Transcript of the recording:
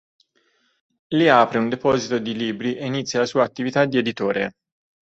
Lì apre un deposito di libri e inizia la sua attività di editore.